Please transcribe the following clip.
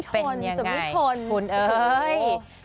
เป็นยังไงหุ่นเอ้ย